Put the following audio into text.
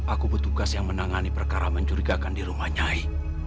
aku bertugas yang menangani perkara mencurigakan di rumah nyai